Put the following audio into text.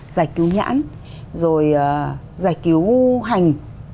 giải cứu nhãn rồi giải cứu hành